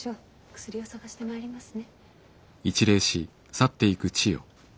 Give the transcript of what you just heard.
薬を探してまいりますね。